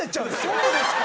そうですか？